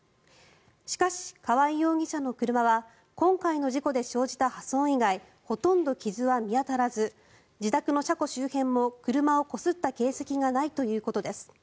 しかし、川合容疑者の車は今回の事故で生じた破損以外ほとんど傷は見当たらず自宅の車庫周辺も車をこすった形跡がないということです。